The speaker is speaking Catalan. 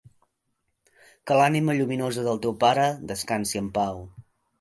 Que l´ànima lluminosa del teu pare descansi en pau.